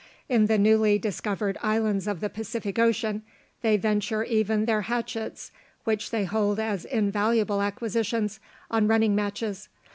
In the newly discovered islands of the Pacific Ocean, they venture even their hatchets, which they hold as invaluable acquisitions, on running matches.